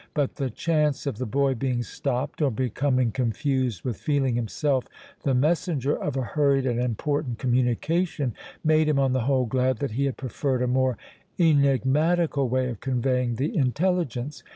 But the chance of the boy being stopped, or becoming confused with feeling himself the messenger of a hurried and important communication, made him, on the whole, glad that he had preferred a more enigmatical way of conveying the intelligence.